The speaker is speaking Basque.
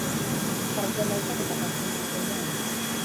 Jarraitu emaitzak eta partiden egutegia hemen.